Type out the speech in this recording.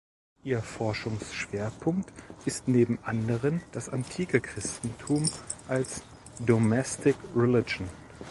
Ihr Forschungsschwerpunkt ist neben anderen das antike Christentum als „domestic religion“.